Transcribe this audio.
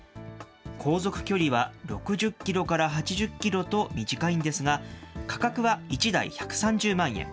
航続距離は６０キロから８０キロと短いんですが、価格は１台１３０万円。